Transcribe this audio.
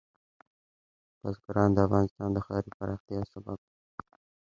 بزګان د افغانستان د ښاري پراختیا یو سبب دی.